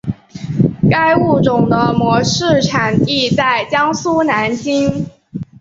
该物种的模式产地在江苏南京。